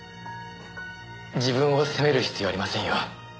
自分を責める必要はありませんよ。